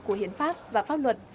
của hiến pháp và pháp luật